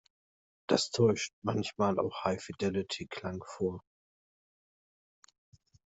Das täuscht manchmal auch "Hi-Fidelity"-Klang vor.